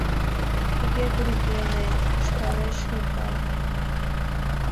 — Туге гын веле... — ышталеш Микал.